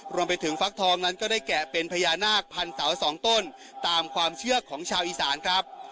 รวมไปถึงฟักทองนั้นก็ได้แกะเป็นพญานาคพันเสาสองต้นตามความเชื่อของชาวอีสานครับ